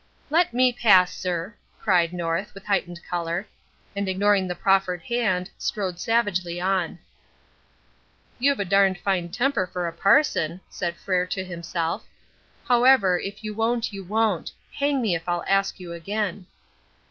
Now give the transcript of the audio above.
"Let me pass, sir!" cried North, with heightened colour; and ignoring the proffered hand, strode savagely on. "You've a d d fine temper for a parson," said Frere to himself. "However, if you won't, you won't. Hang me if I'll ask you again."